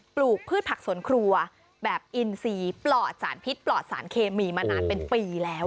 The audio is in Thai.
ลูกพืชผักสวนครัวแบบอินซีปลอดสารพิษปลอดสารเคมีมานานเป็นปีแล้ว